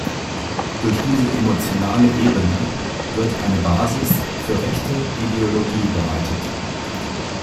Durch diese emotionale Ebene wird eine Basis für rechte Ideologie bereitet.